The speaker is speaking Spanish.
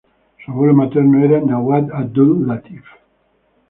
Su abuelo materno era Nawab Abdul Latif.